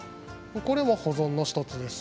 これも保存の一つです。